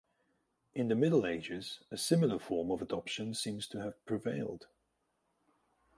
In the Middle Ages a similar form of adoption seems to have prevailed.